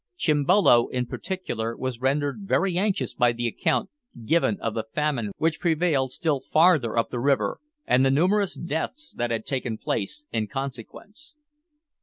Chimbolo, in particular, was rendered very anxious by the account given of the famine which prevailed still farther up the river, and the numerous deaths that had taken place in consequence.